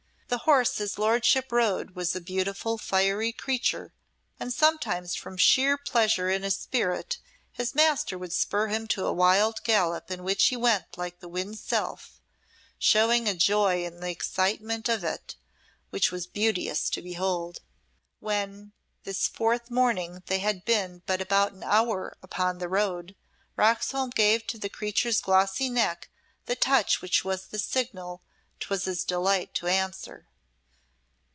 The horse his lordship rode was a beautiful fiery creature, and sometimes from sheer pleasure in his spirit, his master would spur him to a wild gallop in which he went like the wind's self, showing a joy in the excitement of it which was beauteous to behold. When this fourth morning they had been but about an hour upon the road, Roxholm gave to the creature's glossy neck the touch which was the signal 'twas his delight to answer.